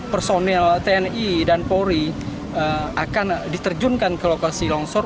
personil tni dan polri akan diterjunkan ke lokasi longsor